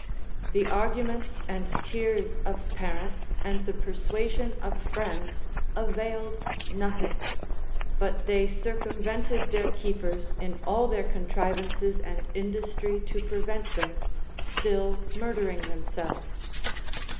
The arguments and tears of parents and the persuasion of friends availed nothing, but they circumvented their keepers in all their contrivances and industry to prevent them, still murdering themselves.